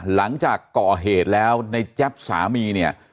หลังจากก่อเหตุแล้วในแจ๊บสามีเนี่ย